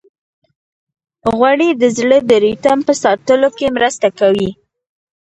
غوړې د زړه د ریتم په ساتلو کې مرسته کوي.